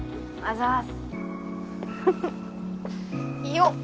よっ！